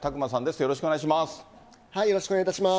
よろしくお願いします。